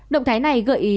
động thái này gợi ý